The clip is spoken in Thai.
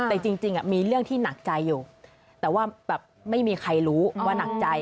แต่จริงมีเรื่องที่หนักใจอยู่แต่ว่าแบบไม่มีใครรู้ว่าหนักใจ